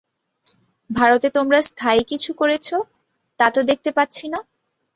ভারতে তোমরা স্থায়ী কিছু করেছ, তা তো দেখতে পাচ্ছি না।